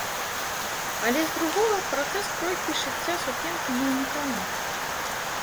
Але з другога, працэс кройкі і шыцця сукенкі не ўнікальны.